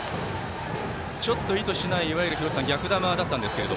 ちょっと意図しないいわゆる逆球だったんですけど。